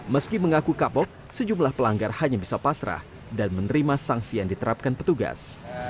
meski mengaku kapok sejumlah pelanggar hanya bisa pasrah dan menerima sanksi yang diterapkan petugas